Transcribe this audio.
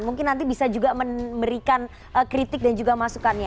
mungkin nanti bisa juga memberikan kritik dan juga masukannya